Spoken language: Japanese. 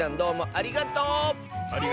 ありがとう！